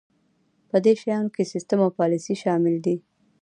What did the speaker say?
په دې شیانو کې سیستم او پالیسي شامل دي.